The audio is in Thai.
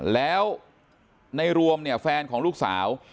แล้วในรวมแฟนของลูกสาว